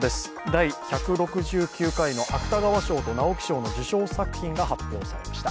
第１６９回の芥川賞と直木賞の受賞作品が発表されました。